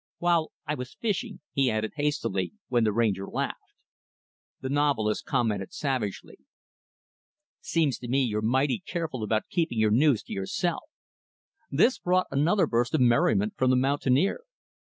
While I was fishing," he added hastily, when the Ranger laughed. The novelist commented savagely, "Seems to me you're mighty careful about keeping your news to yourself!" This brought another burst of merriment from the mountaineer.